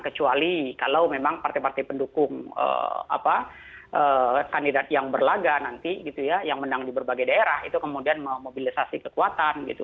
kecuali kalau memang partai partai pendukung kandidat yang berlaga nanti gitu ya yang menang di berbagai daerah itu kemudian memobilisasi kekuatan gitu